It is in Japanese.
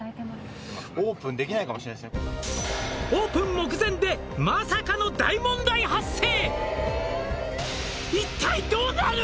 「オープン目前でまさかの大問題発生！」